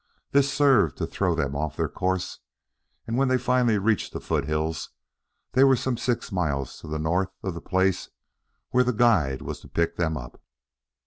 This served to throw them off their course and when they finally reached the foothills they were some six miles to the north of the place where the guide was to pick them up.